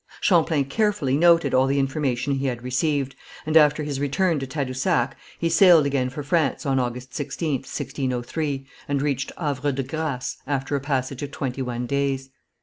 Champlain carefully noted all the information he had received, and after his return to Tadousac he sailed again for France on August 16th, 1603, and reached Havre de Grâce, after a passage of twenty one days.